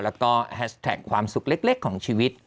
แล้วก็แฮชแท็กความสุขเล็กของชีวิต